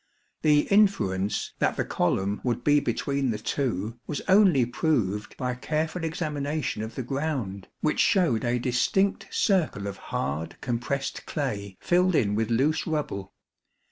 The inference that the column would be between the two was only proved by careful examination of the ground, which showed a distinct circle of hard compressed clay filled in with loose rubble.